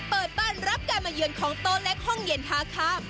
เปิดบ้านรับการมาเยือนของโต๊ะเล็กห้องเย็นทาข้าม